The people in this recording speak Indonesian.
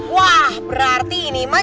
wah berarti ini mah